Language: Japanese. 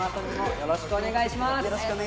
よろしくお願いします。